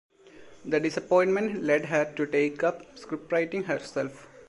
The disappointment led her to take up scriptwriting herself.